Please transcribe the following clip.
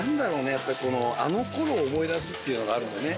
やっぱりあのころを思い出すっていうのがあるんでね